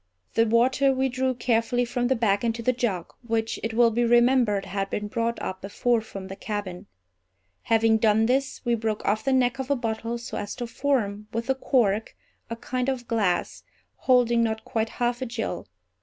The water we drew carefully from the bag into the jug; which, it will be remembered, had been brought up before from the cabin. Having done this, we broke off the neck of a bottle so as to form, with the cork, a kind of glass, holding not quite half a gill.